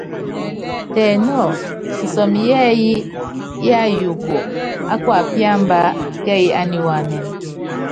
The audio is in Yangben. Tɛ nɔ́ɔ isɔmɔ yɛ́ɛ́yí yáyuukɔ á kuapíámbá kɛ́ɛ́yí ániwáánɛn.